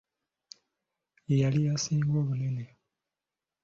Ye yali esinga obunene.